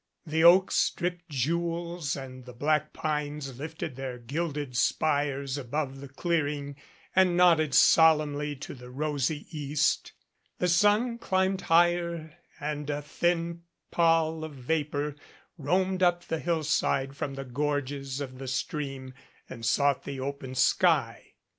The oaks dripped jewels and the black pines lifted their gilded spires above the clearing and nodded solemnly to the rosy East. The sun climbed higher and a thin pall of vapor roamed up the hillside from the gorges of the stream and sought the open sky.